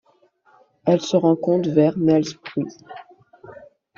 Elle se rencontre vers Nelspruit.